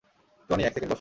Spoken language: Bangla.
টনি, এক সেকেন্ড বসো।